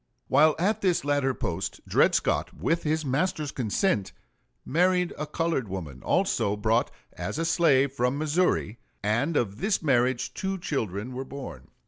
While at this latter post Dred Scott, with his master's consent, married a colored woman, also brought as a slave from Missouri, and of this marriage two children were born.